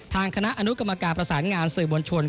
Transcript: ทางคณะอนุกรรมการประสานงานสื่อมวลชน